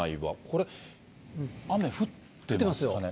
これ、雨降ってますかね。